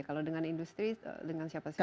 kalau dengan industri dengan siapa siapa